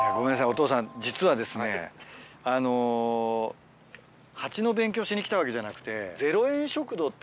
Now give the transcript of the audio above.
お父さん実はあのハチの勉強しに来たわけじゃなくて。